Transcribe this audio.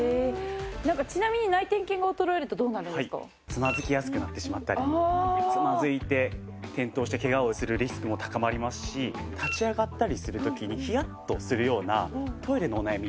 ちなみにつまずきやすくなってしまったりつまずいて転倒してケガをするリスクも高まりますし立ち上がったりする時にヒヤッとするようなトイレのお悩み。